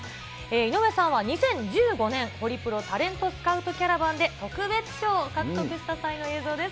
井上さんは２０１５年、ホリプロタレントスカウトキャラバンで特別賞を獲得した際の映像です。